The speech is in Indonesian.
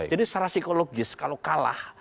jadi secara psikologis kalau kalah